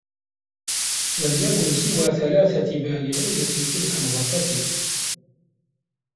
لم يكن سوى ثلاثة بالغين في تلك الغرفة.